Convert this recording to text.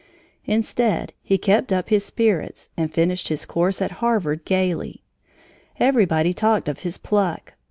Instead, he kept up his spirits and finished his course at Harvard gayly. Everybody talked of his pluck.